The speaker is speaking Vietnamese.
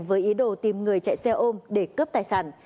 với ý đồ tìm người chạy xe ôm để cướp tài sản